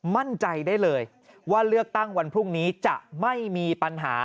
มั่นใจได้เลยว่าเลือกตั้งวันพรุ่งนี้จะไม่มีปัญหา